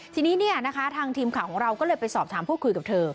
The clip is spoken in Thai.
ทีนี้เนี่ยนะคะทางทีมข่าวของเราก็เลยไปสอบถามพูดคุยกับเธอ